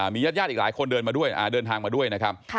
มีญาติอีกหลายคนเดินทางมาด้วยนะครับ